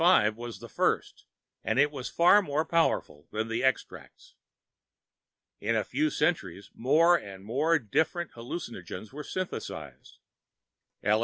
25 was the first, and it was far more powerful than the extracts. In the next few centuries, more and more different hallucinogens were synthesized L.